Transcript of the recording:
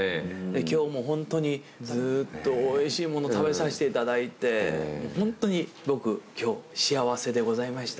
今日もホントにずーっとおいしいもの食べさせていただいてホントに僕今日幸せでございました。